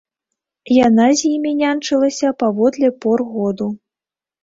Яна з імі няньчылася паводле пор году.